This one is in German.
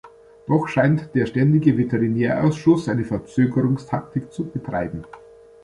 Doch scheint der ständige Veterinärausschuss eine Verzögerungstaktik zu betreiben.